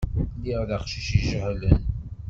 Lliɣ d aqcic ijehlen.